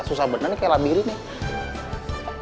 susah bener nih kayak lambiri nih